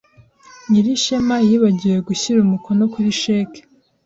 Nyirishema yibagiwe gushyira umukono kuri cheque.